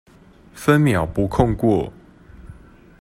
分秒不空過